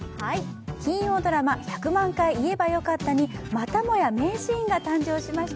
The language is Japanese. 金曜ドラマ「１００万回言えばよかった」にまたもや名シーンが誕生しました。